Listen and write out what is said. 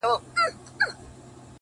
داسي وخت هم وو مور ويله راتــــــــــه”